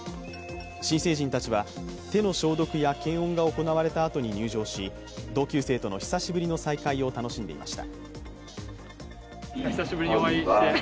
新成人たちは手の消毒や検温が行われたあとに入場し、同級生との久しぶりの再会を楽しんでいました。